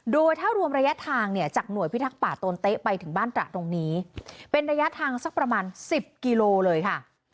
โดยถ้ารวมระยะทางเนี่ยจากหน่วยพิทักษ์ป่าโตนเต๊ะไปถึงบ้านตระตรงนี้เป็นระยะทางสักประมาณ๑๐กิโลเลยค่ะ